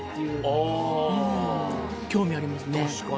確かに興味ありますね